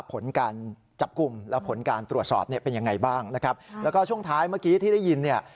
ผลการจับกลุ่มและผลการตรวจสอบเนี่ยเป็นยังไงบ้างนะครับแล้วก็ช่วงท้ายเมื่อกี้ที่ได้ยินเนี่ย